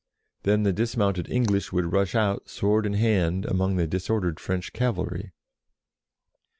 Then the dismounted English would rush out, sword in hand, among the disordered French cavalry.